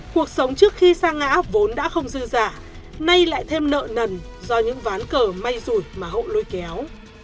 cuộc sống trước khi xa ngã vốn đã không dư giả nay lại thêm nợ nần do những ván cờ may rủi mà hậu lôi kéo